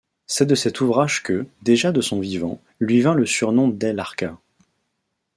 C'est de cet ouvrage que, déjà de son vivant, lui vint le surnom dell'Arca.